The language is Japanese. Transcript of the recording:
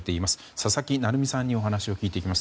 佐々木成三さんにお話を聞いていきます。